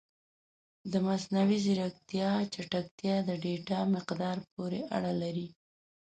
د مصنوعي ځیرکتیا چټکتیا د ډیټا مقدار پورې اړه لري.